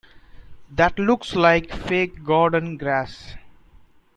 That looks like fake garden grass.